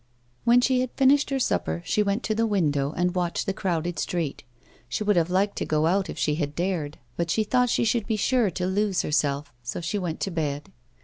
When she had finished her supper, she went to the window and watched the crowded street. She would have liked to go out if she had dared, but she thought she should be sure to lose herself, so she went to bed.